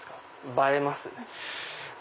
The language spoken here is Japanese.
映えますね。